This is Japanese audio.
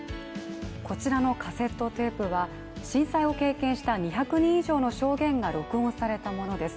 こちらのカセットテープは震災を経験した２００人以上の証言が録音されたものです。